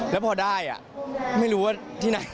แล้วพอได้ไม่รู้ว่าที่ไหน